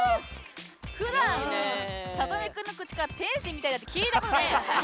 ふだんさとみくんの口から天使みたいだなんて聞いたことない。